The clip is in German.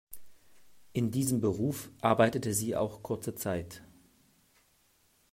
In diesem Beruf arbeitete sie auch kurze Zeit.